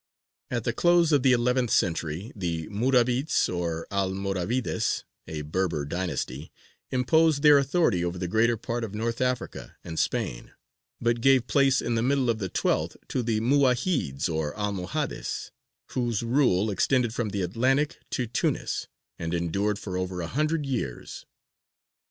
At the close of the eleventh century, the Murābits or Almoravides, a Berber dynasty, imposed their authority over the greater part of North Africa and Spain, but gave place in the middle of the twelfth to the Muwahhids or Almohades, whose rule extended from the Atlantic to Tunis, and endured for over a hundred years.